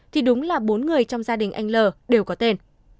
thì đúng là bốn người trong gia đình anh l đều có tên